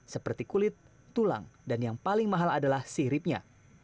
seperti kulit tulang dan yang paling mahal adalah siripnya